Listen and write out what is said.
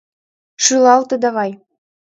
Шӱлалте давай!